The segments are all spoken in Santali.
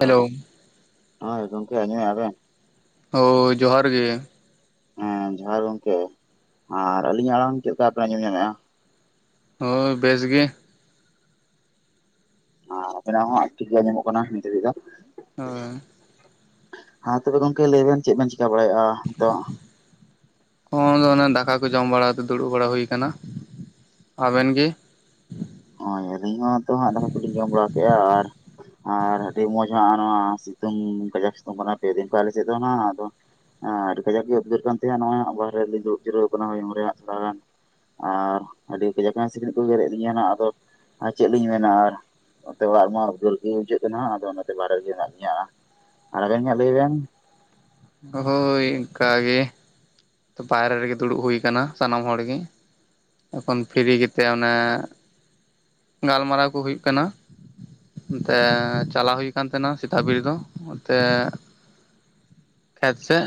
ᱦᱮᱞᱳ ᱦᱚᱸ ᱜᱚᱢᱠᱮ ᱟᱡᱚᱢᱮᱜ ᱟᱹᱵᱤᱱ? ᱦᱳᱭ ᱡᱚᱦᱟᱨ ᱜᱮ ᱦᱮᱸ ᱡᱚᱦᱟᱨ ᱜᱚᱝᱠᱮ, ᱟᱨ ᱟᱹᱞᱤᱧᱟᱜ ᱟᱲᱟᱝ ᱪᱮᱫ ᱞᱮᱠᱟ ᱟᱯᱮ ᱟᱸᱡᱚᱢ ᱧᱟᱢᱮᱜ-ᱟ? ᱦᱳᱭ ᱵᱮᱥ ᱜᱮ ᱾ ᱟᱨ ᱟᱵᱮᱱᱟᱜ ᱦᱚᱸ ᱟᱨ ᱴᱷᱤᱠ ᱜᱮ ᱟᱸᱡᱚᱢᱚᱜ ᱠᱟᱱᱟ ᱱᱤᱛ ᱫᱷᱟᱹᱵᱤᱡ ᱫᱚ ᱾ ᱦᱳ ᱦᱮᱸ ᱛᱚᱵᱮ ᱜᱚᱝᱠᱮ ᱞᱟᱹᱭ ᱵᱮᱱ ᱪᱮᱫ ᱵᱮᱱ ᱪᱤᱠᱟ ᱵᱟᱲᱟᱭᱼᱟ ᱱᱤᱛᱚᱜ? ᱦᱚᱸ ᱚᱱ ᱫᱟᱠᱟ ᱠᱚ ᱡᱚᱢ ᱵᱟᱲᱟ ᱠᱟᱛᱮ ᱫᱩᱲᱩᱵ ᱵᱟᱲᱟ ᱦᱩᱭ ᱟᱠᱟᱱᱟ ᱾ ᱟᱵᱮᱱ ᱜᱮ? ᱦᱳ ᱟᱹᱞᱤᱧ ᱦᱚᱸ ᱛᱚ ᱦᱟᱸᱜ ᱫᱟᱠᱟ ᱠᱚᱞᱤᱧ ᱡᱚᱢ ᱵᱟᱲᱟ ᱠᱮᱫᱼᱟ, ᱟᱨ ᱟᱨ ᱟᱹᱰᱤ ᱢᱚᱸᱡᱽ ᱦᱚᱸ ᱱᱚᱣᱟ ᱥᱤᱛᱩᱝ ᱠᱟᱡᱟᱠ ᱥᱤᱛᱩᱝ ᱠᱟᱱᱟ ᱯᱮ ᱫᱤᱱ ᱠᱷᱚᱱ ᱟᱞᱮ ᱪᱮᱫᱚᱜᱱᱟ ᱟᱫᱚ ᱟᱹᱰᱤ ᱠᱟᱡᱟᱠ ᱜᱮ ᱩᱫᱽᱜᱟᱹᱨ ᱠᱟᱱ ᱛᱟᱦᱮᱸᱟᱦᱮᱱᱟ ᱱᱚᱣᱟ ᱵᱟᱨᱨᱮ ᱨᱮᱤᱧ ᱫᱩᱵ ᱡᱟᱹᱨᱣ ᱠᱟᱱᱟ ᱦᱚᱭᱩᱝ ᱨᱮᱟᱸ ᱛᱷᱚᱲᱟ ᱜᱟᱱ ᱟᱨ ᱟᱹᱰᱤ ᱠᱟᱡᱟᱠ ᱥᱤᱠᱲᱤᱡ ᱠᱚ ᱜᱮᱨᱮᱫ ᱟᱹᱞᱤᱧᱟ ᱦᱟᱸᱜ ᱟᱫᱚ ᱪᱮᱫ ᱞᱤᱧ ᱢᱮᱱᱟ ᱟᱨ ᱚᱱᱛᱮ ᱚᱲᱟᱜ ᱨᱮᱢᱟ ᱩᱫᱽᱜᱟ. ᱨ ᱜᱮ ᱵᱩᱡᱷᱟᱹᱜ ᱠᱟᱱᱟ ᱦᱟᱸ ᱟᱫᱚ ᱚᱱᱟᱛᱮ ᱵᱟᱦᱮᱨ ᱨᱮᱜᱮ ᱢᱮᱱᱟᱜ ᱞᱤᱧᱟ ᱾ ᱟᱨ ᱟᱵᱮᱱ ᱜᱮ ᱦᱟᱸ ᱞᱟᱹᱭ ᱵᱮᱱ? ᱦᱳ ᱤᱱᱠᱟᱹ ᱜᱮ ᱾ ᱵᱟᱭᱨᱮ ᱨᱮᱜᱮ ᱫᱩᱲᱩᱵ ᱦᱩᱭᱩ ᱟᱠᱟᱱᱟ ᱥᱟᱱᱟᱢ ᱦᱚᱲ ᱜᱮ ᱾ ᱮᱠᱷᱚᱱ ᱯᱷᱨᱤ ᱜᱮᱛᱮ ᱚᱱᱟ ᱜᱟᱞᱢᱟᱨᱟᱣ ᱠᱚ ᱦᱩᱭᱩᱜ ᱠᱟᱱᱟ ᱾ ᱚᱱᱛᱮ ᱪᱟᱞᱟᱣ ᱦᱩᱭ ᱠᱟᱱ ᱛᱟᱦᱮᱸᱜ-ᱟ ᱥᱮᱛᱟᱜ ᱵᱮᱲ ᱫᱚ, ᱚᱱᱛᱮ ᱟᱪᱪᱷᱟ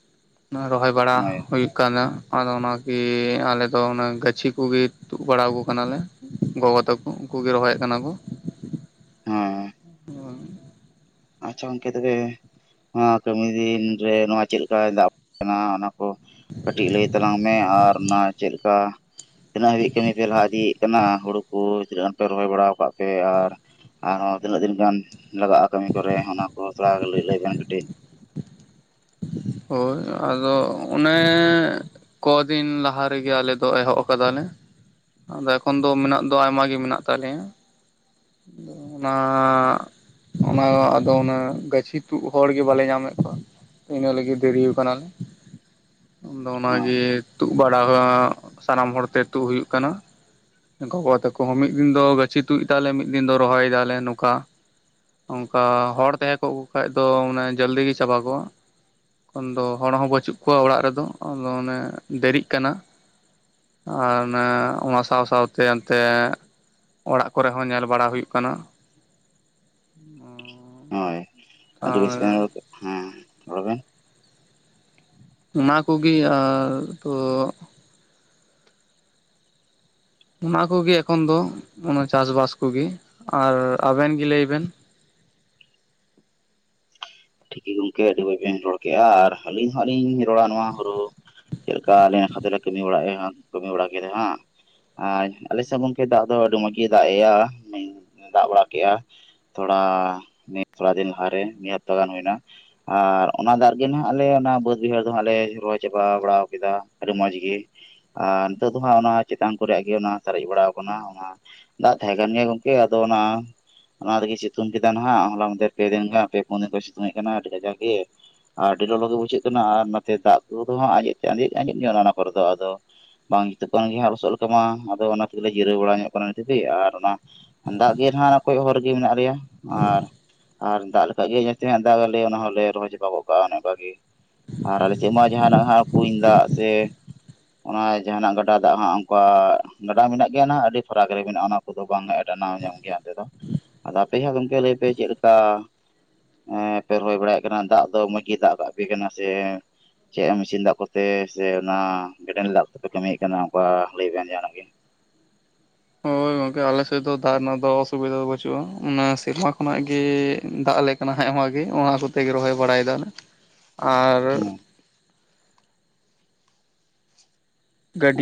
[inaudible] ᱨᱚᱦᱚᱭ ᱵᱟ [inaudible] ᱦᱩᱭᱩᱜ ᱠᱟᱱᱟ, ᱟᱫᱚ ᱚᱱᱟᱱᱟᱜᱤ ᱟᱞᱮ ᱫᱚ ᱚᱱᱟ ᱜᱟᱪᱷᱤ ᱠᱚᱜᱮ ᱛᱩᱫ ᱵᱟᱲᱟ ᱠᱚ ᱠᱟᱱᱟᱞᱮ᱾ ᱜᱚᱜᱚ ᱛᱟᱠᱚ ᱩᱱᱠᱩ ᱜᱮ ᱨᱚᱦᱚᱭᱮᱫ ᱠᱟᱱᱟ ᱠᱚ ᱾ ᱦᱮᱸ [inaudible] ᱟᱪᱪᱷᱟ ᱜᱚᱝᱠᱮ ᱛᱚᱵᱮ ᱱᱚᱣᱟ ᱠᱟᱹᱢᱤ ᱫᱤᱱ ᱨᱮ ᱱᱚᱣᱟ ᱪᱮᱫᱞᱠ ᱫᱟᱜ ᱠᱟᱱᱟ ᱚᱱᱟ ᱠᱚ ᱠᱟᱹᱴᱤᱡ ᱞᱟᱹᱭ ᱛᱟᱞᱟᱝ ᱢᱮ ᱟᱨ ᱚᱱᱟ ᱪᱮᱫᱠᱟ ᱛᱤᱱᱟᱹᱜ ᱦᱟᱹᱵᱤᱡ ᱠᱟᱹᱢᱤ ᱯᱮ ᱞᱟᱦᱟ ᱤᱫᱤ ᱠᱟᱱᱟ ᱦᱩᱲᱩ ᱠᱚ ᱛᱤᱱᱟᱹᱜ ᱜᱟᱱ ᱯᱮ ᱨᱚᱦᱚᱭ ᱵᱟᱲᱟᱟᱣ ᱠᱟᱜ ᱯᱮ ᱟᱨ ᱟᱨᱦᱚᱸ ᱛᱤᱱᱟ. ᱜ ᱫᱤᱱ ᱜᱟᱱ ᱞᱟᱜᱟᱜ-ᱟ ᱠᱟᱹᱢᱤ? ᱨᱮ ᱚᱱᱟ ᱠᱚ ᱛᱷᱚᱲᱟᱣ ᱞᱟᱹᱭ ᱵᱮᱱ ᱠᱟᱹᱴᱤᱡ? ᱦᱳᱭ ᱟᱫᱚ ᱚᱱᱮ ᱠᱚᱫᱤᱱ ᱞᱟᱦᱟ ᱨᱮᱜᱮ ᱟᱞᱮ ᱫᱚ ᱮᱦᱚᱵ ᱟᱠᱟᱫᱟᱞᱮ ᱟᱫᱚ ᱮᱠᱷᱚᱱ ᱫᱚ ᱢᱮᱱᱟᱜ ᱫᱚ ᱟᱭᱢᱟ ᱜᱮ ᱢᱮᱱᱟᱜ ᱛᱟᱞᱮᱭᱟ ᱾ ᱚᱱᱟ ᱚᱱᱟ ᱟᱫᱚ ᱚᱱᱟ ᱜᱟᱟᱹᱪᱷᱤ ᱛᱩᱫ ᱦᱚᱲ ᱜᱮ ᱵᱟᱞᱮ ᱧᱟᱢᱮᱫ ᱠᱚᱣᱟ ᱾ ᱤᱱᱟᱹ ᱞᱟᱹᱜᱤᱫ ᱫᱮᱨᱤ ᱟᱠᱟᱱᱟᱞᱮ᱾ ᱟᱫᱚ ᱚᱱᱟ ᱦᱳᱭ ᱜᱤ ᱛᱩᱫ ᱵᱟᱲᱟ ᱥᱟᱱᱟᱢ ᱦᱚᱲ ᱛᱮ ᱛᱩᱫ ᱦᱩᱭᱩᱜ ᱠᱟᱱᱟ ᱾ ᱜᱚᱜᱚ ᱛᱟᱠᱚ ᱢᱤᱫ ᱫᱤᱱ ᱫᱚ ᱜᱟᱹᱪᱷᱤ ᱛᱩᱫ ᱫᱟᱞᱮ ᱢᱤᱫ ᱫᱤᱱ ᱫᱚ ᱨᱚᱦᱚᱭᱮᱫᱟᱞᱮ ᱱᱚᱝᱠᱟ ᱾ ᱚᱱᱠᱟ ᱦᱚᱲ ᱛᱟᱦᱮᱸ ᱠᱚᱜ ᱠᱚ ᱠᱷᱟᱡ ᱫᱚ ᱢᱟᱱᱮ ᱡᱚᱞᱫᱤ ᱜᱮ ᱪᱟᱵᱟ ᱠᱚᱜᱼᱟ ᱾ ᱮᱚᱠᱷᱚᱱ ᱫᱚ ᱦᱚᱲ ᱦᱚᱸ ᱵᱟᱹᱪᱩᱜ ᱠᱚᱣᱟ ᱚᱲᱟᱜ ᱨᱮᱫᱚ ᱟᱫᱚ ᱚᱱᱮ ᱫᱮᱨᱤᱜ ᱠᱟᱱᱟ ᱾ ᱟᱨ ᱚᱱᱟ ᱚᱱᱟ ᱥᱟᱶ ᱥᱟᱶᱛᱮ ᱚᱱᱛᱮ ᱚᱱᱛᱮ ᱚᱲᱟᱜ ᱠᱚᱨᱮ ᱦᱚᱸ ᱧᱮᱞ ᱵᱟᱲᱟ ᱦᱩᱭᱩᱜ ᱠᱟᱱᱟ ᱾ ᱦᱳᱭ ᱟᱫᱚ ᱵᱮᱥ ᱜᱟᱱ ᱟᱨ ᱨᱚᱲ ᱠᱮᱫ ᱦᱮᱸ ᱨᱚᱲ ᱵᱤᱱ ᱚᱱᱟ ᱠᱚᱜᱤ ᱟᱨ ᱛᱚ᱾ ᱚᱱᱟ ᱠᱚᱜᱤ ᱮᱠᱷᱚᱱ ᱫᱚ ᱚᱱᱟ ᱪᱟᱥᱵᱟᱥ ᱠᱚᱜᱤ ᱟᱨ ᱟᱵᱮᱱ ᱜᱤ ᱞᱟᱹᱭ ᱵᱮᱱ᱾ ᱴᱷᱤᱠ ᱜᱮ ᱜᱚᱢᱠᱮ ᱟᱵᱤ ᱵᱟᱭ ᱵᱮᱱ ᱨᱚᱲ ᱠᱮᱜᱼᱟ ᱟᱨ ᱟᱹᱞᱤᱧ ᱦᱚᱜ ᱞᱤᱧ ᱨᱚᱲᱟ ᱱᱚᱣᱟ ᱦᱩᱲᱩ ᱪᱮᱫ ᱠᱟ ᱟᱞᱮ ᱠᱷᱮᱛᱞᱮ ᱠᱟ. ᱢᱤ ᱵᱟᱲᱟᱜᱼᱟ ᱠᱟᱹᱢᱤ ᱵᱟᱲᱟ ᱦᱟᱸᱜ᱾ ᱟᱸᱡ ᱟᱞᱮ ᱥᱮᱫ ᱫᱚ ᱜᱚᱢᱠᱮ ᱫᱟᱜ ᱫᱚ ᱟᱹᱰᱤ ᱢᱚᱸᱡᱽ ᱜᱮ ᱫᱟᱜ ᱮᱭᱟ ᱦᱮᱸ ᱫᱟᱜ ᱵᱟᱲᱟ ᱠᱮᱜᱼᱟ, ᱛᱷᱚᱲᱟ ᱢᱤᱫᱛᱷᱚᱲᱟ ᱫᱤᱱ ᱞᱟᱦᱟᱸᱨᱮ ᱢᱤᱫ ᱦᱟᱯᱚᱛᱟ ᱜᱟᱱ ᱦᱩᱭᱱᱟ, ᱟᱨ ᱚᱱᱟ ᱫᱟᱜ ᱨᱮᱜᱮ ᱱᱟᱜ ᱟᱞᱮ ᱚᱱᱟ ᱵᱟᱹᱫ ᱵᱟᱹᱭᱦᱟᱹᱲ ᱫᱚ ᱦᱟᱜ ᱞᱮ ᱨᱚᱦᱚᱭ ᱪᱟᱵᱟ ᱵᱟᱲᱟ ᱠᱮᱫᱟ ᱟᱹᱰᱤ ᱢᱚᱸᱡᱽ ᱜᱮ, ᱟᱨ ᱱᱤᱛᱚᱜ ᱫᱚ ᱦᱟᱸᱜ ᱚᱱᱟ ᱪᱮᱛᱟᱱ ᱠᱚᱨᱮ ᱜᱮ ᱚᱱᱟ ᱥᱟᱨᱮᱡ ᱵᱟᱲᱟ ᱟᱠᱟᱱᱟ ᱚᱱᱟ, ᱫᱟᱜ ᱛᱟᱦᱮᱸ ᱠᱟᱱ ᱜᱮᱭᱟ ᱜᱚᱝᱠᱮ ᱟᱫᱚ ᱚᱱᱟ ᱚᱱᱟ ᱨᱮᱜᱮ ᱥᱤᱛᱩᱝ ᱠᱮᱫᱟ ᱦᱟᱜ ᱦᱚᱞᱟ ᱢᱚᱫᱽᱫᱷᱮᱨ ᱯᱮ ᱫᱤᱱ ᱜᱮᱱ ᱯᱮ ᱩᱱᱮ ᱩᱱᱠᱚ ᱥᱤᱛᱩᱝ ᱠᱟᱱᱟ ᱟᱰᱤ ᱠᱟᱡᱟᱠ ᱜᱮ ᱟᱹᱰᱤ ᱞᱚᱞᱚᱜ ᱜᱮ ᱵᱩᱡᱷᱟᱜ ᱠᱟᱱᱟ ᱟᱨ ᱫᱟᱜ ᱠᱚ ᱦᱚ ᱠᱚᱸ ᱟᱸᱡᱮᱫ ᱟᱸᱡᱮᱫ ᱟᱸᱡᱮᱫ ᱧᱚᱜᱼᱟ ᱚᱱᱟ ᱠᱚᱨᱮ ᱫᱚ ᱟᱫᱚ, ᱵᱟᱝ ᱡᱩᱛᱩᱜ ᱠᱟᱱ ᱜᱮ ᱞᱚᱥᱚᱫ ᱞᱮᱠᱟᱢᱟ ᱟᱫᱚ ᱚᱱᱟ ᱛᱮᱜᱮ ᱡᱤᱨᱟᱹᱣ ᱵᱟᱲᱟ ᱧᱚᱜ ᱠᱟᱱᱟ ᱫᱷᱟᱹᱵᱤᱡ ᱟᱨ ᱚᱱᱟ, ᱫᱟᱜ ᱜᱮ ᱱᱟᱦᱟᱜ ᱠᱚᱭᱚᱜ ᱦᱚᱨ ᱨᱮᱜᱮ ᱢᱮᱱᱟᱜ ᱞᱮᱭᱟ ᱟᱨ ᱟᱨ ᱫᱟᱜ ᱫᱟᱜ ᱜᱮ ᱡᱮᱛᱮ ᱦᱟᱸᱜ ᱫᱟᱜ ᱟᱞᱮ ᱚᱱᱟ ᱦᱚᱸᱞᱮ ᱨᱚᱦᱚᱭ ᱪᱟᱵᱟ ᱠᱚᱜ ᱠᱟᱜ ᱚᱱᱮ ᱚᱱᱠᱟ ᱜᱮ, ᱟᱨ ᱟᱞᱮᱥᱮᱫ ᱢᱟ ᱡᱟᱦᱟᱱᱟᱜ ᱠᱩᱧ ᱫᱟᱜ ᱥᱮ ᱚᱱᱟ ᱡᱟᱦᱟᱱᱟᱜ ᱜᱟᱰᱟ ᱫᱟᱜ ᱦᱟᱸᱜ ᱚᱱᱠᱟ, ᱜᱟᱸᱰᱟ ᱢᱮᱱᱟᱜ ᱜᱮᱭᱟ ᱱᱟᱜ ᱟᱹᱰᱤ ᱯᱷᱟᱨᱟᱠ ᱨᱮ ᱢᱮᱱᱟᱜᱼᱟ ᱚᱱᱟ ᱠᱚᱫᱚ ᱵᱟᱝ ᱮᱰᱟᱱᱟᱣ ᱧᱟᱢ ᱜᱮᱭᱟ ᱚᱱᱛᱮ ᱫᱚ, ᱟᱫᱚ ᱯᱮ ᱦᱚᱸ ᱜᱚᱢᱠᱮ ᱞᱟᱹᱭ ᱯᱮ ᱪᱮᱫ ᱞᱮᱠᱟ, ᱮ ᱯᱮ ᱨᱚᱦᱚᱭ ᱵᱟᱲᱟᱭᱮᱫ ᱠᱟᱱᱟ ᱫᱟᱜ ᱫᱚ ᱢᱚᱸᱡᱽ ᱜᱮ ᱫᱟᱜ ᱠᱟᱜᱯᱮ ᱠᱟᱱᱟ ᱥᱮ, ᱪᱮᱫ ᱢᱮᱥᱤᱱ ᱫᱟᱜ ᱠᱚᱛᱮ ᱥᱮ ᱚᱱᱟ ᱠᱮᱱᱮᱞ ᱫᱟᱜ ᱠᱚᱯᱮ ᱠᱟᱹᱢᱤᱭᱮᱫ ᱠᱟᱱᱟ ᱚᱱᱠᱟ ᱞᱟᱹᱭᱵᱮᱱ ᱡᱟᱦᱟᱱᱟᱜ ᱜᱮ, [inaudible] ᱜᱚᱢᱠᱮ ᱟᱞᱮᱥᱮᱫ ᱫᱚ ᱛᱟᱦᱮᱱ ᱨᱮᱱᱟᱜ ᱫᱚ ᱚᱥᱩᱵᱤᱫᱟ ᱫᱚ ᱵᱟᱹᱪᱩᱜᱼᱟ ᱚᱱᱟ ᱥᱮᱨᱢᱟ ᱠᱷᱚᱱᱟᱜ ᱜᱮ ᱫᱟᱜ ᱟᱞᱮ ᱠᱟᱱᱟ ᱦᱟᱜ ᱟᱹᱭᱢᱟ ᱜᱮ ᱚᱱᱟ ᱠᱚᱛᱮᱜᱮ ᱨᱚᱦᱚᱭ ᱵᱟᱲᱟᱭ ᱫᱟᱞᱮ [inaudible] ᱟᱨ ᱦᱮᱸ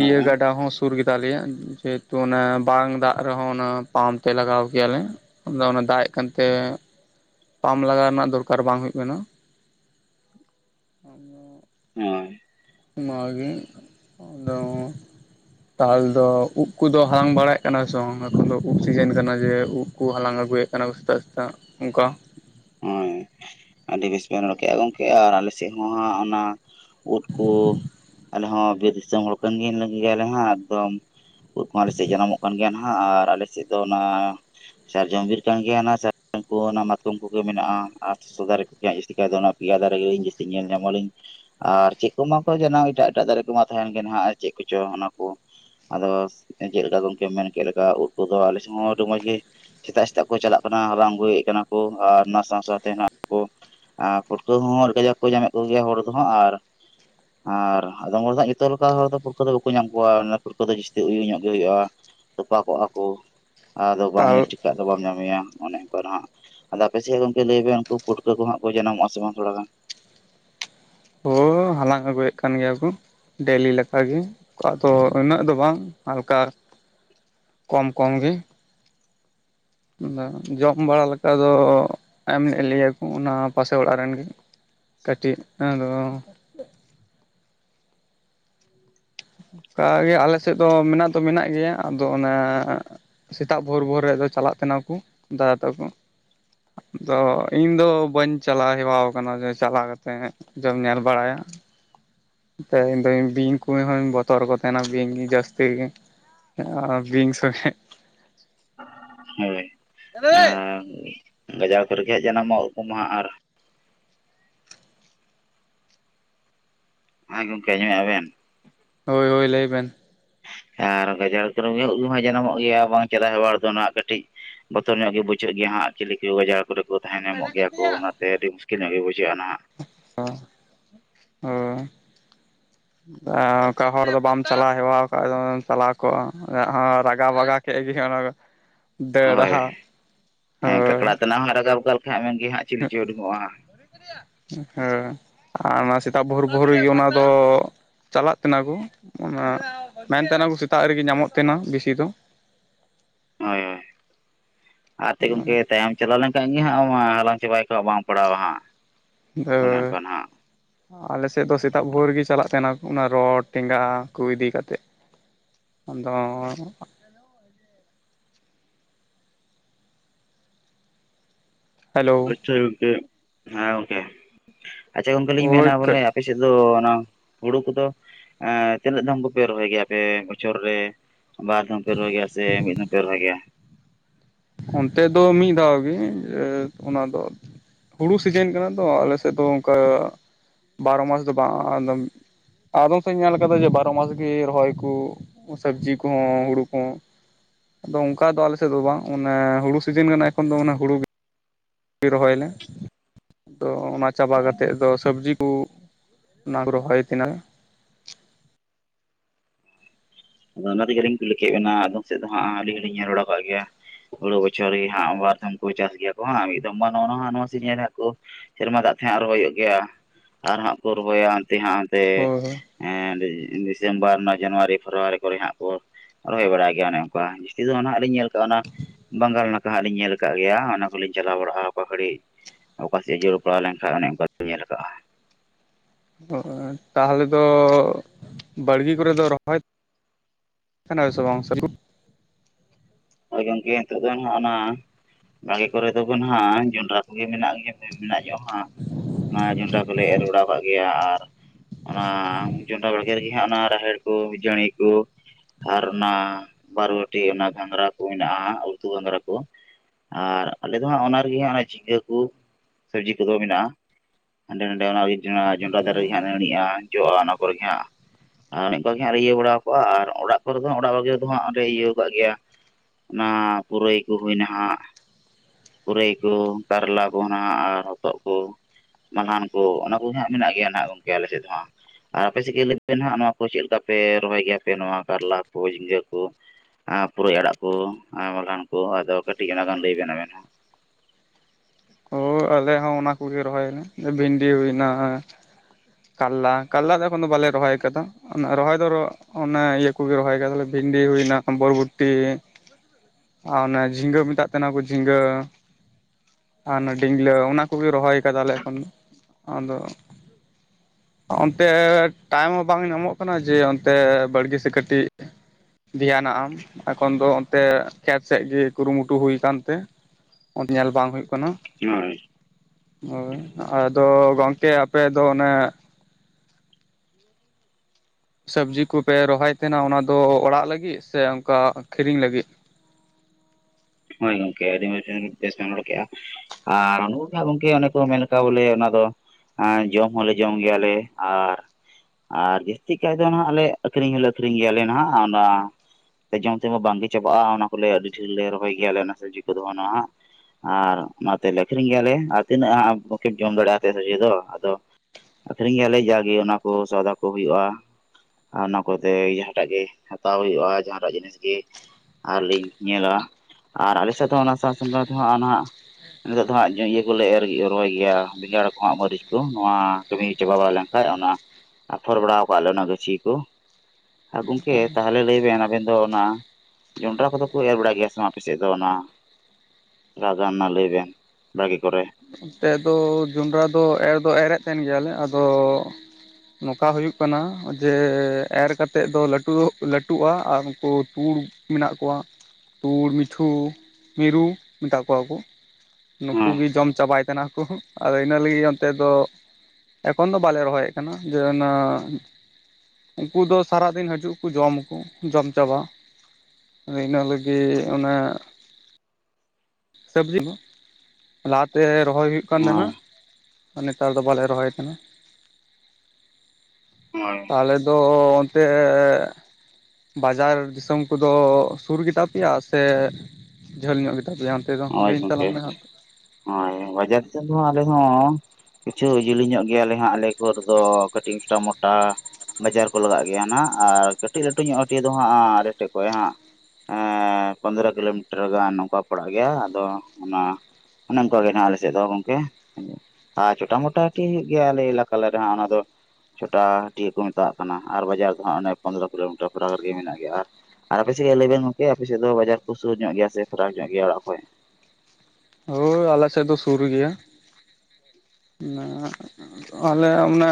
ᱟᱨ ᱵᱟᱝ ᱜᱟᱸᱰᱟ ᱦᱚᱸ ᱥᱩ ᱥᱩᱨ ᱛᱟᱞᱮᱭᱟ ᱡᱮᱦᱮᱛᱩ ᱚᱱᱟ ᱵᱟᱝ ᱫᱟᱜ ᱨᱮᱦᱚᱸ ᱚᱱᱟ ᱯᱟᱢ ᱛᱮ ᱞᱟᱜᱟᱣ ᱠᱮᱭᱟᱞᱮ ᱟᱫᱚ ᱚᱱᱟ ᱫᱟᱜ ᱮᱜ ᱠᱟᱱᱛᱮ ᱯᱟᱢ ᱞᱟᱜᱟᱣ ᱨᱮᱱᱟᱜ ᱫᱚᱨᱠᱟᱨ ᱵᱟᱝ ᱦᱩᱭᱩᱜᱼᱟ ᱠᱟᱱᱟ, ᱟᱫᱚ ᱦᱚᱭ ᱚᱱᱟᱜᱮ ᱟᱫᱚ ᱛᱟᱞᱫᱚ ᱩᱵ ᱠᱚᱫᱚ ᱦᱟᱞᱟᱝ ᱵᱟᱲᱟᱭᱮᱫ ᱠᱟᱱᱟ ᱥᱮ ᱵᱟᱝ ᱮᱠᱷᱚᱱ ᱫᱚ ᱩᱵ ᱥᱤᱡᱮᱱ ᱠᱟᱱᱟ ᱡᱮ ᱩᱫ ᱠᱚ ᱦᱟᱞᱟᱝ ᱟᱹᱜᱩᱭᱮᱫ, ᱥᱮᱛᱟᱜ ᱥᱮᱛᱟᱜ ᱚᱱᱠᱟ ᱦᱳᱭ ᱟᱹᱰᱤ ᱵᱮᱥᱤ ᱵᱮᱱ ᱨᱚᱲᱠᱮᱜᱼᱟ ᱜᱚᱢᱠᱮ ᱟᱨ ᱟᱞᱮᱥᱮᱫ ᱦᱚᱸ ᱦᱟᱸᱜ ᱚᱱᱟ ᱩᱫ ᱠᱩ ᱟᱞᱮ ᱦᱚᱸ ᱵᱤᱨ ᱫᱤᱥᱚᱢ ᱦᱚᱲ ᱠᱟᱱ ᱜᱮᱭᱟᱞᱮ ᱦᱟᱸᱜ ᱮᱠᱫᱚᱢ ᱩᱫ ᱢᱟ ᱟᱞᱮ ᱥᱮᱫ ᱡᱟᱱᱟᱢᱚᱜ ᱠᱟᱱ ᱜᱮᱭᱟ ᱱᱟᱸᱜ ᱟᱨ ᱟᱞᱮᱥᱮᱫ ᱫᱚ ᱚᱱᱟ ᱥᱟᱨ ᱡᱚᱢ ᱵᱤᱨ ᱠᱟᱱ ᱜᱮᱭᱟ ᱱᱟ ᱥᱟᱨᱡᱚᱢ ᱠᱚ ᱚᱱᱟ ᱢᱟᱛᱠᱚᱢ ᱠᱚ ᱥᱤᱛᱟᱢ ᱠᱚᱜᱮ ᱢᱮᱱᱟᱜᱼᱟ ᱟᱨ ᱥᱚᱥᱚ ᱫᱟᱨᱮ ᱠᱚᱜᱮ ᱡᱟᱹᱥᱛᱤᱠᱟᱭ ᱫᱚ ᱚᱱᱟ ᱯᱮᱭᱟ ᱫᱟᱨᱮ ᱜᱮᱞᱤᱧ ᱡᱟᱹᱥᱛᱤ ᱧᱮᱞ ᱧᱟᱢᱟᱞᱤᱧ, ᱟᱨ ᱪᱮᱫ ᱠᱚᱢᱟᱠᱚ ᱡᱮᱱᱚ ᱮᱴᱟᱜ ᱮᱴᱟᱜ ᱫᱟᱨᱮ ᱠᱚᱢᱟ ᱛᱟᱦᱮᱱ ᱜᱮ ᱦᱟᱸᱜ ᱪᱮᱫ ᱠᱚᱪᱚ ᱚᱱᱟ ᱠᱚ ᱟᱫᱚ ᱪᱮᱫ ᱞᱮᱠᱟ ᱜᱚᱝᱠᱮᱢ ᱢᱮᱱ ᱠᱮᱫ ᱞᱮᱠᱟ ᱩᱫ ᱠᱩᱫᱚ ᱟᱞᱮᱥᱮᱫ ᱦᱚᱸ ᱟᱹᱰᱤ ᱢᱚᱸᱡᱽ ᱜᱮ ᱥᱮᱛᱟᱜ ᱥᱮᱛᱟᱜ ᱠᱚ ᱪᱟᱞᱟᱜ ᱠᱟᱱᱟ ᱦᱟᱞᱟᱝ ᱟᱹᱜᱩᱭᱮᱫ ᱠᱟᱱᱟ ᱠᱚ ᱟᱨ ᱚᱱᱟ ᱥᱟᱶ ᱥᱟᱶᱛᱮ ᱦᱟᱸᱜ ᱠᱚ ᱟᱨ ᱯᱩᱴᱠᱟᱹ ᱦᱚᱸ ᱟᱰᱤ ᱠᱟᱡᱟᱠ ᱠᱚ ᱧᱟᱢᱮᱫ ᱠᱚᱜᱮᱭᱟ ᱦᱚᱲ ᱫᱚ ᱦᱟᱸᱜ ᱟᱨ ᱟᱨ ᱟᱫᱚᱢ ᱦᱚᱲ ᱡᱚᱛᱚ ᱞᱮᱠᱟ ᱦᱚᱲ ᱫᱚ ᱯᱩᱴᱠᱟᱹ ᱫᱚ ᱵᱟᱠᱚ ᱧᱟᱢ ᱠᱚᱣᱟ ᱯᱩᱴᱠᱟᱹ ᱫᱚ ᱡᱟᱹᱥᱛᱤ ᱩᱭᱩᱝ ᱧᱚᱜ ᱜᱮ ᱦᱩᱭᱩᱜᱼᱟ ᱛᱚᱯᱟ ᱠᱚᱜᱼᱟ ᱠᱚ ᱟᱫᱚ ᱵᱟᱢ ᱛᱟᱞ ᱧᱮᱞ ᱴᱷᱤᱠᱟᱜ ᱫᱚ ᱵᱟᱢ ᱧᱟᱢᱮᱭᱟ ᱚᱱᱮ ᱚᱱᱠᱟ ᱱᱟᱦᱟᱜ ᱟᱫᱚ ᱟᱯᱮᱥᱮᱫ ᱜᱚᱝᱠᱮ ᱞᱟᱹᱭᱵᱮᱱ ᱩᱱᱠᱩ ᱯᱩᱴᱠᱟᱹ ᱠᱚ ᱦᱟᱸᱜ ᱠᱚ ᱡᱟᱱᱟᱢᱚᱜᱼᱟ ᱥᱮ ᱵᱟᱝ ᱛᱷᱚᱲᱟ ᱜᱟᱱ ᱚ ᱦᱟᱞᱟᱝ ᱟᱹᱜᱩᱭᱮᱫ ᱠᱚ ᱠᱟᱱ ᱜᱮᱭᱟ ᱠᱚ ᱰᱮᱞᱤ ᱞᱮᱠᱟᱜᱮ ᱩᱱᱠᱩᱶᱟᱜ ᱩᱱᱟᱹᱜ ᱫᱚ ᱵᱟᱝ ᱦᱟᱞᱠᱟ ᱠᱚᱢ ᱠᱚᱢ ᱜᱮ ᱡᱚᱢ ᱵᱟᱲᱟ ᱞᱮᱠᱟ ᱫᱚ ᱮᱢ ᱞᱮᱜ ᱞᱮᱭᱟ ᱠᱚ ᱚᱱᱟ ᱯᱟᱥᱮ ᱚᱲᱟᱜ ᱨᱤᱱ ᱜᱮ ᱠᱟᱹᱴᱤᱡ ᱟᱸᱫᱚᱻ ᱠᱟᱜᱮ ᱟᱞᱮᱥᱮᱫ ᱫᱚ ᱢᱮᱱᱟᱜ ᱫᱚ ᱢᱮᱱᱟᱜ ᱜᱮᱭᱟ, ᱟᱫᱚ ᱚᱱᱟ- ᱥᱮᱛᱟᱜ ᱵᱷᱳᱨ ᱵᱷᱳᱨ ᱨᱮᱭᱟᱜ ᱫᱚ ᱪᱟᱞᱟᱜ ᱠᱟᱱᱟ ᱠᱚ ᱫᱟᱫᱟ ᱛᱟᱠᱚ᱾ ᱟᱫᱚ ᱤᱧ ᱫᱚ ᱵᱟᱹᱧ ᱪᱟᱞᱟᱣ ᱦᱮᱣᱟ ᱟᱠᱟᱱᱟ ᱡᱮ ᱪᱟᱞᱟᱣ ᱠᱟᱛᱮ, ᱡᱚᱢ ᱧᱮᱞ ᱵᱟᱲᱟᱭᱟ [inaudible] [unintelligible] ᱵᱤᱧ ᱠᱩ ᱦᱚᱸᱧ ᱵᱚᱛ- ᱛᱚᱨ ᱠᱚ ᱛᱟᱦᱮᱱᱟ ᱵᱤᱧ ᱡᱟᱹᱥᱛᱤ ᱜᱮ᱾ ᱵᱤᱧ ᱥᱚᱸᱜᱮ- ᱦᱳᱭ, ᱟᱸᱻ ᱜᱟᱡᱟᱲ ᱠᱚᱨᱮ ᱜᱮ ᱦᱟᱸᱜ ᱡᱟᱱᱟᱢᱚᱜ ᱛᱟᱢᱟ, ᱟᱨ- ᱦᱮᱸ ᱜᱚᱝᱠᱮ ᱟᱸᱡᱚᱢ ᱮᱜ ᱟᱵᱮᱱ!? ᱦᱳᱭ ᱦᱳᱭ ᱞᱟᱹᱭ ᱵᱮᱱ᱾ ᱟᱨ ᱜᱟᱡᱟᱲ ᱠᱚ ᱨᱮᱨ ᱧᱮᱞ ᱟᱜᱩ ᱢᱟ ᱡᱟᱱᱟᱢᱚᱜ ᱜᱮᱭᱟ ᱵᱟᱝ ᱪᱟᱞᱟᱜ ᱦᱮᱣᱟ ᱠᱟᱱᱟ ᱠᱟᱹᱴᱤᱡ᱾ ᱵᱚᱛᱚᱨ ᱧᱚᱜ ᱜᱮ ᱵᱩᱡᱷᱟᱹᱜ ᱜᱮᱭᱟ ᱦᱟᱸᱜ ᱟᱨ ᱪᱤᱞᱤ ᱠᱤᱳ ᱜᱟᱡᱟᱲ- ᱠᱚᱨᱮ ᱠᱚ ᱛᱟᱦᱮᱸ ᱧᱟᱢᱚᱜ ᱜᱮᱭᱟ ᱠᱚ, ᱚᱱᱟᱛᱮ ᱟᱹᱰᱤ ᱢᱩᱥᱠᱤᱞ ᱧᱚᱜ ᱜᱮ ᱵᱩᱡᱷᱟᱹᱜᱼᱟ ᱱᱟᱦᱟᱜ᱾ ᱟᱪᱪᱷᱟ᱾ᱳᱻ [inaudible] ᱟᱻ ᱚᱠᱟ ᱦᱚᱨ ᱫᱚ ᱵᱟᱢ ᱪᱟᱞᱟᱣ ᱦᱮᱣᱟ ᱟᱠᱟᱫ ᱫᱚ ᱪᱟᱞᱟᱣ ᱠᱚᱜᱼᱟ, ᱟᱸ ᱦᱟᱸᱜ ᱨᱟᱜᱟ ᱵᱟᱜᱟ ᱠᱮᱫ ᱜᱮ ᱚᱱᱟ- ᱫᱟᱹᱲᱟ ᱦᱳᱭ᱾ ᱮᱸᱻᱠᱟᱠᱲᱟ ᱛᱟᱱᱟᱜ ᱦᱚᱸᱭ ᱨᱟᱜᱟ ᱵᱟᱜᱟ ᱞᱮᱠᱷᱟᱱ ᱢᱮᱱ ᱜᱮ ᱦᱟᱸᱜ- ᱪᱤᱞᱤ ᱪᱚᱭ ᱩᱰᱩᱠᱚᱜᱼᱟ ᱦᱳᱭ [unintelligible] ᱦᱚᱭ᱾ ᱟᱨ ᱚᱱᱟ ᱥᱮᱛᱟᱜ ᱵᱷᱳᱨ ᱵᱷᱳᱨ ᱨᱮᱜᱮ ᱚᱱᱟ ᱫᱚ- ᱪᱟᱞᱟᱜ ᱛᱟᱱᱟ ᱠᱚ, ᱢᱮᱱ ᱛᱟᱱᱟ ᱠᱚ ᱥᱮᱛᱟᱜ ᱨᱮᱜᱮ ᱧᱟᱢᱚᱜ ᱛᱟᱦᱮᱱᱟ ᱵᱤᱥᱤ ᱫᱚ᱾ ᱦᱮᱸ᱾ [inaudible] ᱟᱨ ᱛᱮᱜᱮ ᱟ ᱛᱮᱜᱮᱢ ᱮᱛ- ᱛᱟᱭᱚᱢ ᱪᱟᱞᱟᱣ ᱞᱮᱱᱠᱟᱱ ᱜᱮ ᱦᱟᱸᱜ ᱦᱟᱞᱟᱝ ᱪᱟᱵᱟᱭ ᱠᱚ ᱦᱟᱜ ᱵᱟᱝ ᱯᱟᱲᱟᱣᱼᱟ ᱦᱟᱸᱜ᱾ ᱚᱱᱮ ᱦᱚᱭ ᱚᱱᱠᱟ ᱱᱟᱦᱟᱜ [inaudible] ᱟᱞᱮ ᱥᱮᱫ ᱫᱚ ᱥᱮᱛᱟᱜ ᱵᱷᱳᱨ ᱜᱮ ᱪᱟᱞᱟᱜ ᱠᱟᱱᱟ ᱚᱱᱟ ᱨᱚᱰ, ᱴᱷᱮᱸᱜᱟ ᱠᱚ ᱤᱫᱤ ᱠᱟ ᱠᱟᱛᱮᱫ᱾ ᱟᱸᱫᱳᱻ ᱦᱮᱞᱳ ᱟᱪᱪᱷᱟ ᱜᱚᱝᱠᱮ, ᱦᱮᱸ ᱜᱚᱝᱠᱮ, ᱟᱪᱪᱷᱟ ᱜᱚᱝᱠᱮ ᱞᱤᱧ ᱦᱳᱭ ᱢᱮᱱᱟ ᱵᱚᱞᱮ ᱟᱯᱮ- ᱪᱮᱫ ᱫᱚ ᱚᱱᱟ ᱦᱩᱲᱩ ᱠᱚᱫᱚ-ᱟᱸᱻ ᱛᱤᱱᱟᱹᱜ ᱫᱷᱟᱢ ᱠᱚᱯᱮ ᱨᱚᱦᱚᱭ ᱜᱮᱭᱟ ᱟᱯᱮ ᱵᱚᱪᱷᱚᱨ ᱨᱮ, ᱵᱟᱨ ᱫᱷᱟᱢ ᱯᱮ ᱨᱚᱦᱚᱭ ᱜᱮᱭᱟ, ᱥᱮ ᱢᱤᱫ ᱫᱷᱟᱢ ᱯᱮ ᱨᱚᱦᱚᱭ ᱜᱮᱭᱟ? ᱚᱱᱛᱮ ᱫᱚ ᱢᱤᱫ ᱫᱷᱟᱣ ᱜᱮ, ᱚᱱᱟ ᱫᱚ- ᱦᱩᱲᱩ ᱥᱤᱡᱮᱱ ᱠᱟᱱᱟ ᱛᱚ, ᱟᱞᱮᱥᱮᱫ ᱫᱚ ᱚᱱᱠᱟ ᱵᱟᱨᱚ ᱢᱟᱥ ᱫᱚ ᱵᱟᱝ ᱟᱫᱚᱢ- ᱟᱫᱚᱢ ᱥᱮᱫ ᱧᱮᱞ ᱟᱠᱟᱫᱟ ᱡᱮ ᱵᱟᱨᱚ ᱢᱟᱥ ᱜᱮ ᱨᱚᱦᱚᱭ ᱠᱩ᱾ ᱥᱚᱵᱽᱡᱤ ᱠᱚᱦᱚᱸ ᱦᱩᱲᱩ ᱠᱚᱦᱚᱸ, ᱟᱫᱚ ᱚᱝᱠᱟ ᱫᱚ ᱟᱞᱮ ᱥᱮᱫ ᱫᱚ ᱵᱟᱝ᱾ ᱚᱱᱟ ᱦᱩᱲᱩ ᱥᱤᱡᱤᱱ ᱠᱟᱱᱟ ᱮᱠᱷᱚᱱ ᱫᱚ ᱦᱩᱲᱩ- ᱜᱮ ᱨᱚᱦᱚᱭ ᱟᱞᱮ᱾ ᱟᱫᱚ ᱚᱱᱟ ᱪᱟᱵᱟ ᱠᱟᱛᱮᱫ ᱫᱚ ᱥᱚᱵᱡᱤ ᱠᱚ ᱚᱱᱟ ᱠᱚ ᱨᱚᱦᱚᱭ ᱛᱤᱱᱟ- ᱟᱫᱚ ᱚᱱᱟ ᱛᱮᱜᱮᱞᱤᱧ ᱠᱩᱞᱤ ᱠᱮᱫ ᱵᱤᱱᱟ, ᱟᱫᱚᱢ ᱥᱮᱫ ᱫᱚ ᱦᱟᱸᱜ ᱟᱞᱤᱧ ᱦᱚᱸᱞᱤᱧ ᱧᱮᱞ ᱵᱟᱲᱟ ᱠᱟᱜ ᱜᱮᱭᱟ᱾ ᱦᱳᱲᱩ ᱵᱚᱪᱷᱚᱨ ᱨᱮ ᱦᱟᱸᱜ ᱵᱟᱨ ᱫᱚᱢ ᱠᱚ ᱪᱟᱥ ᱜᱮᱭᱟ ᱠᱚ ᱦᱟᱸᱜ, ᱢᱤᱫᱚᱢ ᱱᱚᱣᱟ ᱥᱤᱡᱚᱱ ᱨᱮ ᱦᱟᱸᱜ ᱠᱚ- ᱥᱮᱨᱢᱟ ᱫᱟᱜ ᱛᱮ ᱦᱟᱸᱜ ᱨᱚᱦᱚᱭᱚᱜ ᱜᱮᱭᱟ, ᱟᱨ ᱦᱟᱸᱜ ᱠᱚ ᱨᱚᱦᱚᱭᱟ- ᱛᱮ ᱦᱟᱸ ᱦᱳᱭ ᱚᱱᱛᱮ-ᱰᱤᱥᱮᱢᱵᱚᱨ ᱱᱚᱣᱟ ᱡᱟᱱᱩᱣᱟᱨᱤ ᱯᱷᱮᱵᱽᱨᱩᱣᱟᱨᱤ, ᱠᱚᱨᱮ ᱦᱟᱸᱜ ᱠᱚ ᱨᱚᱦᱚᱭ ᱵᱟᱲᱟᱭ ᱜᱮᱭᱟ ᱚᱱᱮ ᱚᱱᱠᱟ᱾ᱡᱟᱹᱥᱛᱤ ᱫᱚ ᱦᱟᱹᱜ ᱞᱤᱧ ᱧᱮᱞ ᱠᱟᱜᱼᱟ ᱚᱱᱟ- ᱵᱟᱝᱜᱟᱞ ᱱᱟᱠᱷᱟ ᱦᱟᱸᱜ ᱞᱤᱧ ᱧᱮᱞ ᱟᱠᱟᱫ ᱜᱮᱭᱟ, ᱚᱱᱟ ᱠᱚᱞᱤᱧ ᱪᱟᱞᱟᱣ ᱵᱟᱲᱟᱜᱼᱟ ᱚᱠᱟ ᱜᱷᱟᱹᱲᱤᱡ᱾ ᱚᱠᱟ ᱥᱮᱫ ᱡᱟᱹᱨᱩᱲ ᱯᱟᱲᱟᱣ ᱞᱮᱱᱠᱷᱟᱡ ᱚᱱᱮ ᱚᱱᱠᱟ ᱠᱚ ᱧᱮᱞ ᱟᱠᱟᱜᱼᱟ᱾ ᱚ ᱛᱟᱦᱚᱞᱮ ᱫᱚ ᱵᱟᱲᱜᱤ ᱠᱚᱨᱮ ᱫᱚ ᱨᱚᱦᱚᱭ- ᱛᱟᱦᱮᱱᱼᱟ ᱥᱮ ᱵᱟᱝ!? ᱥᱟᱨᱤ ᱦᱳᱭ ᱜᱚᱝᱠᱮ ᱱᱤᱛᱚᱜ ᱫᱚ ᱦᱟᱹᱜ ᱚᱱᱟ ᱵᱟᱲᱜᱮ ᱠᱚᱨᱮ ᱫᱚ ᱱᱟᱦᱜ ᱡᱚᱱᱰᱨᱟ ᱠᱚᱜᱮ ᱢᱮᱱᱟᱜ ᱜᱮᱭᱟ᱾ ᱢᱮᱱᱟᱜ ᱧᱚᱜ ᱦᱟᱸᱜ ᱚᱱᱟ ᱡᱚᱱᱰᱨᱟ ᱠᱚᱞᱮ ᱮᱨ ᱵᱟᱲᱟᱣ ᱠᱟᱜ ᱜᱮᱭᱟ᱾ ᱟᱨ, ᱚᱱᱟ ᱡᱚᱱᱰᱨᱟ ᱵᱟᱲᱜᱮ ᱨᱮᱜᱮ ᱦᱟᱸᱜ ᱚᱱᱟ ᱨᱟᱦᱮᱲ ᱠᱚ ᱡᱟᱹᱲᱤ ᱠᱚ ᱟᱨ ᱚᱱᱟ ᱵᱟᱨ ᱵᱚᱴᱤ ᱚᱱᱟ ᱜᱷᱟᱸᱜᱨᱟ ᱠᱚ ᱦᱮᱱᱟᱜᱼᱟ ᱩᱛᱩ ᱜᱷᱟᱸᱜᱨᱟ ᱠᱚ ᱾ ᱟᱨ ᱟᱞᱮ ᱫᱚ ᱦᱟᱸᱜ ᱚᱱᱟ ᱨᱮᱜᱮ ᱚᱱᱮ ᱡᱷᱤᱸᱜᱟᱹ ᱠᱚ ᱥᱚᱵᱽᱡᱤ ᱠᱚᱫᱚ ᱢᱮᱱᱟᱜᱼᱟ᱾ ᱦᱟᱸᱰᱮ ᱱᱟᱰᱮ ᱚᱱᱟ ᱡᱚᱱᱟ ᱡᱚᱸᱰᱨᱟ ᱫᱟᱨᱮ ᱨᱮ ᱦᱟᱸᱜ ᱱᱟᱹᱲᱤᱜᱼᱟ ᱡᱚᱜᱼᱟ ᱚᱱᱟ ᱠᱚᱨᱮ ᱜᱮ ᱦᱟᱸᱜ᱾ ᱟᱨ ᱱᱚᱝᱠᱟ ᱜᱮ ᱦᱟᱸᱜ ᱤᱭᱟᱹ ᱵᱟᱲᱟ ᱠᱟᱜᱼᱟ ᱟᱨ ᱚᱲᱟᱜ ᱠᱚᱨᱮ ᱫᱚ ᱚᱲᱟᱜ ᱠᱚ ᱜᱮ ᱨᱮ ᱫᱚ ᱦᱟᱸᱜ ᱚᱸᱰᱮᱭ ᱤᱭᱟᱹᱭ ᱠᱟᱜ ᱜᱮᱭᱟ ᱚᱱᱟ ᱯᱩᱨᱟᱹᱭ ᱠᱚ ᱦᱩᱭ ᱱᱟᱦᱟᱜ᱾ ᱯᱩᱨᱟᱹᱭ ᱠᱚ ᱠᱟᱨᱞᱟ ᱠᱚ ᱱᱟᱦᱟᱜ ᱟᱨ ᱦᱚᱛᱚᱫ ᱠᱚ᱾ ᱢᱟᱞᱦᱟᱱ ᱠᱚ ᱚᱱᱟ ᱠᱚᱜᱮ ᱦᱟᱸᱜ ᱢᱮᱱᱟᱜ ᱜᱮᱭᱟ ᱱᱟᱜ ᱜᱚᱝᱠᱮ ᱟᱞᱮᱥᱮᱫ ᱦᱚᱸᱜ ᱾ ᱟᱨ ᱟᱯᱮ ᱥᱮᱫ ᱜᱮ ᱞᱟᱹᱭ ᱯᱮ ᱱᱟᱦᱟᱜ ᱱᱚᱣᱟ ᱠᱚ ᱪᱮᱫ ᱞᱮᱠᱟᱯᱮ ᱨᱚᱦᱚᱭ ᱜᱮᱭᱟ ᱯᱮ ᱱᱚᱣᱟ ᱠᱟᱨᱞᱟ ᱠᱚ, ᱡᱷᱤᱸᱜᱟᱹ ᱠᱚ, ᱟᱸ ᱯᱩᱨᱟᱹᱭ ᱟᱲᱟᱜ ᱠᱚ ᱟᱨ ᱢᱟᱞᱦᱟᱱ ᱠᱚ ᱟᱫᱚ ᱠᱟᱹᱴᱤᱡ ᱚᱱᱟ ᱜᱟᱱ ᱞᱟᱹᱭ ᱵᱮᱱ ᱟᱵᱮᱱ ᱦᱚ? ᱦᱚ ᱟᱞᱮ ᱦᱚᱸ ᱚᱱᱟ ᱠᱚᱜᱮ ᱨᱚᱦᱚᱭᱟᱞᱮ ᱵᱷᱤᱱᱰᱤ ᱦᱩᱭ ᱮᱱᱟ ᱠᱟᱞᱞᱟ ᱠᱟᱞᱞᱟ ᱫᱚ ᱮᱠᱷᱚᱱ ᱫᱚ ᱵᱟᱞᱮ ᱨᱚᱦᱚᱭ ᱟᱠᱟᱫᱟ᱾ ᱚᱱᱟ ᱨᱚᱦᱚᱭ ᱫᱚ ᱨᱚ ᱚᱱᱮ ᱤᱭᱟᱹ ᱠᱚᱜᱮ ᱨᱚᱦᱚᱭ ᱠᱟᱫᱟᱞᱮ ᱵᱷᱤᱱᱰᱤ ᱦᱩᱭᱱᱟ ᱟᱢᱵᱚᱨᱵᱴᱤ, ᱟ ᱚᱱᱮ ᱡᱷᱤᱸᱜᱟᱹ ᱢᱮᱛᱟᱜ ᱠᱟᱱᱟ ᱠᱚ ᱡᱷᱤᱸᱜᱟᱹ ᱟ ᱚᱱᱮ ᱰᱤᱝᱜᱞᱟᱹ ᱚᱱᱟ ᱠᱚᱜᱮ ᱨᱚᱦᱚᱭ ᱠᱟᱫᱟᱞᱮ ᱮᱠᱷᱚᱱ ᱫᱚ ᱾ ᱟᱫᱚ ᱚᱱᱛᱮ ᱴᱟᱭᱤᱢ ᱦᱚᱸ ᱵᱟᱝ ᱧᱟᱢᱚᱜ ᱠᱟᱱᱟ ᱡᱮ ᱚᱱᱛᱮ ᱵᱟᱲᱜᱮ ᱥᱮᱫ ᱠᱟᱹᱴᱤᱡ ᱫᱷᱮᱭᱟᱱᱟᱜ ᱟᱢ ᱮᱠᱷᱚᱱ ᱫᱚ ᱚᱱᱛᱮ ᱠᱷᱮᱛ ᱥᱮᱫ ᱜᱮ ᱠᱩᱨᱩᱢᱩᱴᱩ ᱦᱩᱭ ᱟᱠᱟᱱ ᱛᱮ [inaudible] ᱧᱮᱞ ᱵᱟᱝ ᱦᱩᱭᱩᱜ ᱠᱟᱱᱟ᱾ ᱦᱳᱭ ᱾ ᱦᱳᱭ, ᱟᱫᱚ ᱜᱚᱝᱠᱮ ᱟᱯᱮ ᱫᱚ ᱚᱱᱮ ᱥᱚᱵᱽᱡᱤ ᱠᱚᱯᱮ ᱨᱚᱦᱚᱭ ᱛᱟᱦᱮᱱᱟ ᱚᱱᱟᱫᱚ ᱚᱲᱟᱜ ᱞᱟᱹᱜᱤᱫ ᱥᱮ ᱚᱝᱠᱟ ᱟᱠᱷᱨᱤᱧ ᱞᱟᱹᱜᱤᱫ? ᱦᱳᱭ ᱜᱚᱝᱠᱮ ᱟᱹᱰᱤ ᱢᱚᱡᱽ ᱵᱮᱱ ᱵᱮᱥ ᱵᱮᱱ ᱨᱚᱲ ᱠᱮᱜᱼᱟ ᱾ ᱟᱨ ᱱᱩᱠᱩ ᱜᱮ ᱦᱟᱜ ᱜᱚᱝᱠᱮ ᱚᱱᱮ ᱠᱚ ᱢᱮᱱ ᱞᱮᱠᱟ ᱵᱚᱞᱮ ᱚᱱᱟ ᱫᱚ ᱟᱸ ᱡᱚᱢ ᱦᱚᱸᱞᱮ ᱡᱚᱢ ᱜᱮᱭᱟᱞᱮ ᱟᱨ ᱟᱨ ᱡᱟᱹᱥᱛᱤ ᱠᱟᱭᱛᱮ ᱚᱱᱟ ᱟᱞᱮ ᱟᱠᱷᱨᱤᱧ ᱦᱚᱸᱞᱮ ᱟᱠᱷᱨᱤᱧ ᱜᱮᱭᱟᱞᱮ ᱱᱟᱦᱟᱜ ᱚᱱᱟ ᱡᱚᱢ ᱛᱮᱢᱟ ᱵᱟᱝᱜᱮ ᱪᱟᱵᱟᱜᱼᱟ ᱚᱱᱟ ᱠᱚᱞᱮ ᱟᱹᱰᱤ ᱴᱷᱤᱠ ᱞᱮ ᱨᱚᱦᱚᱭ ᱜᱮᱭᱟᱞᱮ ᱚᱱᱟ ᱥᱚᱵᱽᱡᱤ ᱠᱚᱫᱚ ᱚᱱᱟ ᱦᱟᱸᱜ ᱾ ᱟᱨ ᱚᱱᱟᱛᱮᱞᱮ ᱟᱹᱷᱨᱤᱧ ᱜᱮᱭᱟᱞᱮ ᱟᱨ ᱛᱤᱱᱟᱹᱜ ᱦᱟᱜ ᱟᱢ ᱜᱚᱝᱠᱮᱢ ᱡᱚᱢ ᱫᱟᱲᱮᱭᱟᱜᱼᱟ [unintelligible] ᱫᱚ! ᱟᱫᱚ ᱟᱠᱷᱨᱤᱧ ᱜᱮᱭᱟᱞᱮ ᱡᱟᱜᱮ ᱚᱱᱟ ᱠᱚ ᱥᱚᱭᱫᱟ ᱠᱚ ᱦᱩᱭᱩᱜᱼᱟ᱾ ᱟᱨ ᱚᱱᱟ ᱠᱚᱛᱮ ᱡᱟᱦᱟᱸᱴᱟᱜ ᱜᱮ ᱦᱟᱛᱟᱣ ᱦᱩᱭᱩᱜᱼᱟ ᱡᱟᱦᱟᱸᱴᱟᱜ ᱡᱤᱱᱤᱥ ᱜᱮ᱾ ᱟᱨᱞᱤᱧ ᱧᱮᱞᱟ ᱾ ᱟᱨ ᱟᱞᱮ ᱥᱮᱫ ᱫᱚ ᱚᱱᱟ ᱥᱟ-ᱥᱟᱝᱜᱮ ᱛᱮᱦᱚ ᱟᱱᱟᱦᱟᱜ ᱱᱤᱛᱚᱜ ᱫᱚ ᱦᱟᱸᱜ [inaudible] ᱤᱭᱟᱹ ᱠᱚᱞᱮ ᱮᱨ ᱨᱚᱦᱚᱭ ᱜᱮᱭᱟ ᱵᱮᱸᱜᱟᱲ ᱠᱚ ᱦᱟᱸᱜ ᱢᱟᱹᱨᱤᱪ ᱠᱚ ᱱᱚᱣᱟ ᱠᱟᱹᱢᱤ ᱪᱟᱵᱟ ᱵᱟᱲᱟ ᱞᱮᱝᱠᱷᱟᱡ ᱚᱱᱟ ᱟᱛᱷᱚᱨ ᱵᱟᱲᱟ ᱠᱟᱜᱼᱟ ᱞᱮ ᱚᱱᱟ ᱜᱟᱹᱪᱷᱤ ᱠᱚ᱾ ᱟᱨ ᱜᱚᱝᱠᱮ ᱛᱟᱦᱚᱞᱮ ᱞᱟᱹᱭ ᱵᱮᱱ ᱟᱵᱮᱱ ᱫᱚ ᱚᱱᱟ ᱡᱚᱱᱰᱨᱟ ᱠᱚᱫᱚ ᱠᱚ ᱮᱨ ᱵᱟᱲᱟᱭ ᱜᱮᱭᱟ ᱥᱮ ᱵᱟᱝ ᱟᱯᱮᱥᱮᱫ ᱫᱚ ᱚᱱᱟ ᱨᱟᱜᱟ ᱚᱱᱟ ᱞᱟᱹᱭ ᱵᱮᱱ ᱵᱷᱟᱜᱮ ᱠᱚᱨᱮ? ᱚᱱᱛᱮ ᱫᱚ ᱡᱚᱸᱰᱨᱟ ᱫᱚ ᱮᱨ ᱫᱚ ᱮᱨᱮᱫ ᱛᱟᱦᱮᱱ ᱜᱮᱭᱟᱞᱮ ᱟᱫᱚ ᱱᱚᱠᱟ ᱦᱩᱭᱩᱜ ᱠᱟᱱᱟ ᱡᱮ, ᱮᱨ ᱠᱟᱛᱮᱫ ᱫᱚ ᱞᱟᱹᱴᱩ ᱞᱟᱹᱴᱩᱜᱼᱟ ᱟᱨ ᱩᱝᱠᱩ ᱛᱩᱲ ᱢᱮᱱᱟᱜ ᱠᱚᱣᱟ ᱛᱩᱲ ᱢᱤᱴᱷᱩ ᱢᱤᱨᱩ ᱢᱮᱛᱟ ᱠᱚᱣᱟ ᱠᱚ᱾ ᱱᱩᱠᱩ ᱦᱮᱸ ᱜᱮ ᱡᱚᱢ ᱪᱟᱵᱟᱭ ᱛᱟᱦᱮᱱᱟ ᱠᱚ, ᱟᱫᱚ ᱤᱱᱟᱹ ᱞᱟᱹᱜᱤᱫ ᱚᱱᱛᱮ ᱫᱚ ᱮᱠᱷᱚᱱ ᱫᱚ ᱵᱟᱞᱮ ᱨᱚᱦᱚᱭᱮᱜ ᱠᱟᱱᱟ ᱡᱮ ᱚᱱᱟ ᱩᱝᱠᱩ ᱫᱚ ᱥᱟᱨᱟ ᱫᱤᱱ ᱦᱟᱡᱩᱜᱼᱟ ᱠᱩ ᱡᱚᱢᱟᱠᱩ ᱡᱚᱢ ᱪᱟᱵᱟ᱾ ᱟᱫᱚ ᱤᱱᱟᱹ ᱞᱟᱹᱜᱤᱫ ᱚᱱᱟ ᱥᱚᱵᱽᱡᱤ ᱞᱟᱦᱟᱛᱮ ᱨᱚᱦᱚᱭ ᱦᱩᱭᱩᱜ ᱠᱟᱱ ᱛᱟᱦᱮᱸᱱᱟ, ᱦᱳᱭ ᱱᱮᱛᱟᱨ ᱫᱚ ᱵᱟᱞᱮ ᱨᱚᱦᱚᱭᱮᱫ ᱛᱟᱦᱮᱸᱱᱟ᱾ ᱦᱳᱭ ᱾ ᱟᱞᱮ ᱫᱚ ᱚᱱᱛᱮ ᱵᱟᱡᱟᱨ ᱫᱤᱥᱚᱢ ᱠᱚᱫᱚ ᱥᱩᱨ ᱜᱮᱛᱟ ᱯᱮᱭᱟ ᱥᱮ ᱡᱷᱟᱹᱞ ᱧᱚᱜ ᱜᱮᱛᱟ ᱯᱮᱭᱟ? ᱚᱱᱛᱮ ᱫᱚ ᱦᱳᱭ ᱞᱟᱹᱭᱟᱹᱧ ᱜᱚᱝᱠᱮ ᱛᱟᱞᱟᱝ ᱢᱮ ᱦᱟᱸᱜ ᱦᱳᱭ ᱵᱟᱡᱟᱨ ᱫᱤᱥᱚᱢ ᱟᱞᱮ ᱦᱚ ᱠᱤᱪᱷᱩ ᱡᱮᱞᱮᱧᱚᱜ ᱜᱮᱭᱟᱞᱮ ᱦᱟᱸᱜ ᱟᱞᱮ ᱠᱚ ᱨᱮᱫᱚ ᱠᱟᱹᱴᱤᱡ [inaudible] ᱢᱚᱴᱟ ᱵᱟᱡᱟᱨ ᱠᱚ ᱞᱟᱜᱟᱜ ᱜᱮᱭᱟ ᱱᱟᱦᱟᱜ ᱟᱨ ᱠᱟᱹᱴᱤᱡ ᱞᱟᱹᱴᱩ ᱧᱚᱜ ᱦᱟᱹᱴᱭᱟᱹ ᱫᱚ ᱦᱟᱸᱜ ᱟᱞᱮ ᱴᱷᱮᱱ ᱠᱷᱚᱡ ᱦᱟᱸᱜ ᱯᱚᱱᱫᱚᱨᱚ ᱠᱤᱞᱳ ᱢᱤᱴᱟᱨ ᱜᱟᱱ ᱚᱱᱠᱟ ᱯᱲᱟᱜ-ᱟ᱾ ᱜᱮᱭᱟ ᱟᱫᱚ ᱚᱱᱟ ᱚᱱᱮ ᱚᱱᱠᱟᱜ ᱜᱮ ᱦᱟᱜ ᱟᱞᱮ ᱥᱮᱫ ᱫᱚ ᱜᱚᱝᱠᱮ ᱟᱨ ᱪᱚᱴᱟ ᱢᱚᱴᱟ ᱦᱟᱹᱴᱤᱭᱟᱹ ᱦᱩᱭᱩᱜ ᱜᱮᱭᱟ ᱟᱞᱮ ᱮᱞᱟᱠᱟ [inaudible] ᱚᱱᱟ ᱫᱚ᱾ ᱪᱷᱚᱴᱟ ᱦᱟᱹᱴᱤᱭᱟᱹ ᱠᱚ ᱢᱮᱛᱟᱜ-ᱟᱜ ᱠᱟᱱᱟ ᱟᱨ ᱵᱟᱡᱟᱨ ᱫᱚ ᱦᱟᱜ ᱚᱱᱮ ᱯᱚᱱᱫᱚᱨᱚ ᱠᱤᱞᱳᱢᱤᱴᱟᱨ ᱯᱷᱟᱨᱟᱠ ᱨᱮᱜᱮ ᱢᱮᱱᱟᱜ ᱜᱮᱭᱟ᱾ ᱟᱨ ᱟᱯᱮ ᱥᱮᱫ ᱜᱮ ᱞᱟᱹᱭ ᱵᱤᱱ ᱜᱚᱝᱠᱮ ᱟᱯᱮ ᱥᱮᱫ ᱫᱚ ᱵᱟᱡᱟᱨ ᱠᱚ ᱥᱩᱨ ᱧᱚᱜ ᱜᱮᱭᱟ ᱥᱮ ᱯᱷᱟᱨᱟᱠ ᱧᱚᱜ ᱜᱮᱭᱟ ᱚᱲᱟᱜ ᱠᱷᱚᱡ? ᱦᱳᱭ ᱟᱞᱮ ᱥᱮᱫ ᱫᱚ ᱥᱩᱨ ᱜᱮᱭᱟ᱾ ᱚᱱᱟ ᱟᱞᱮ ᱚᱱᱟ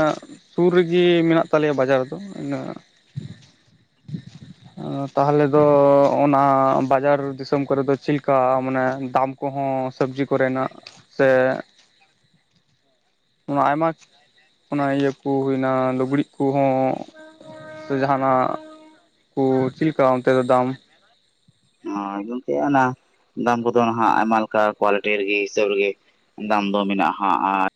ᱥᱩᱨ ᱨᱮᱜᱮ ᱢᱮᱱᱟᱜ ᱛᱟᱞᱮᱭᱟ ᱵᱟᱡᱟᱨ ᱫᱚ ᱤᱱᱟ [unintelligible] ᱛᱟᱦᱚᱞᱮ ᱫᱚ ᱚᱱᱟ ᱵᱟᱡᱟᱨ ᱫᱤᱥᱚᱢ ᱠᱚᱨᱮ ᱫᱚ ᱪᱤᱞᱠᱟ ᱢᱟᱱᱮ ᱫᱟᱢ ᱠᱚ? ᱦᱚᱸ ᱥᱚᱵᱽᱡᱤ ᱠᱚᱨᱮᱱᱟᱜ ᱥᱮ ᱚᱱᱟ ᱟᱭᱢᱟ ᱚᱱᱟ ᱤᱭᱟᱹ ᱠᱚ ᱦᱩᱭᱱᱟ ᱞᱩᱜᱽᱲᱤᱡ ᱠᱩᱦᱚᱸ ᱥᱮ ᱡᱟᱦᱟᱱᱟᱜ ᱠᱚ ᱪᱤᱞᱠᱟ ᱚᱱᱛᱮ ᱫᱚ ᱫᱟᱢ? ᱦᱚ ᱜᱚᱝᱠᱮ ᱚᱱᱟ ᱫᱟᱢ ᱠᱚᱫᱚ ᱦᱟᱜ ᱟᱭᱢᱟ ᱞᱮᱠᱟ ᱠᱳᱣᱟᱞᱤᱴᱤ ᱨᱮᱜᱮ ᱦᱤᱥᱟᱹᱵ ᱨᱤᱜᱮ᱾ ᱫᱟᱢ ᱫᱚ ᱢᱮᱱᱟᱜᱼᱟ ᱦᱟᱜ‌ ᱟᱨ